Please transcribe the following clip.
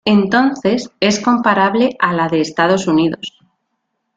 Entonces, es comparable a la de Estados Unidos.